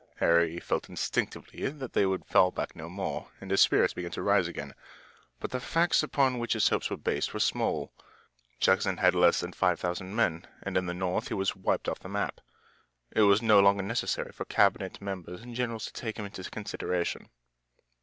Harry felt instinctively that they would fall back no more, and his spirits began to rise again. But the facts upon which his hopes were based were small. Jackson had less than five thousand men, and in the North he was wiped off the map. It was no longer necessary for cabinet members and generals to take him into consideration.